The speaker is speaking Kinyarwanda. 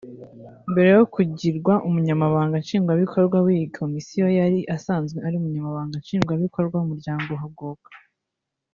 Mbere yo kugirwa Umunyamabanga Nshingwabikorwa w’iyi komisiyo yari asanzwe ari Umunyamabanga Nshingwabikorwa w’Umuryango Haguruka